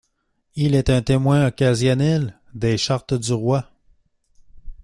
Il est un témoin occasionnel des chartes du roi.